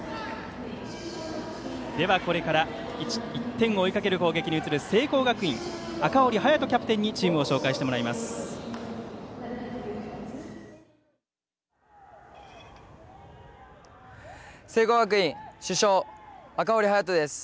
では、これから１点を追いかける攻撃に移る聖光学院、赤堀颯キャプテンにチームを紹介してもらいます。